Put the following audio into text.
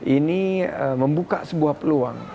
ini membuka sebuah peluang